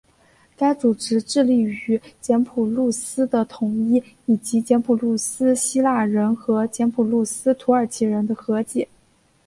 该组织致力于塞浦路斯的统一以及塞浦路斯希腊人和塞浦路斯土耳其人的和解。